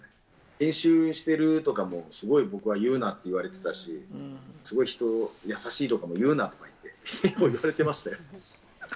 練習しているとかも、すごい僕は言うなって言われてたし、すごい人に優しいとかも言うなって、結構言われてましたよ。